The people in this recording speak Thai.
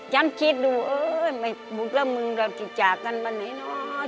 ฉันคิดดูเออบุ๊คแล้วมึงหลับจุดจากกันบ้านไหนเนาะ